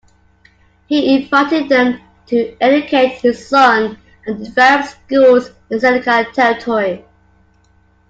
He invited them to educate his son and develop schools in Seneca territory.